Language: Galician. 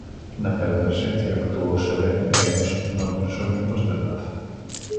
Naquela emerxencia actuouse ben e nós non presumimos de nada.